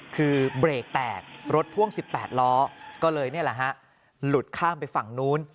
คือเบรกแตกรถพ่วง๑๘ล้อก็เลยนี่แหละฮะหลุดข้ามไปฝั่งนู้น